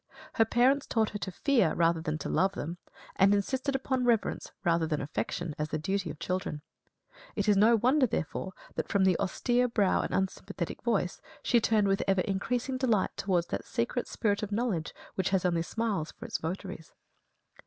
Her parents taught her to fear, rather than to love, them; and insisted upon reverence, rather than affection, as the duty of children. It is no wonder, therefore, that from the austere brow and unsympathetic voice she turned with ever increasing delight towards that secret spirit of knowledge which has only smiles for its votaries.